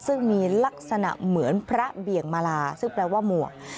ซึ่งมีลักษณะเหมือนพระเบี่ยงมาลาซึ่งแปลว่าหมวก